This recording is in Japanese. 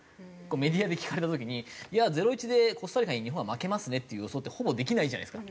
メディアで聞かれた時に「０−１でコスタリカに日本は負けますね」っていう予想ってほぼできないじゃないですか。